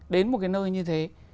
đến một cái nơi như thế